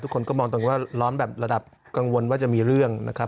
คนก็มองตรงว่าร้อนแบบระดับกังวลว่าจะมีเรื่องนะครับ